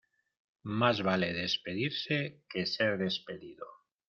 Más vale despedirse que ser despedido.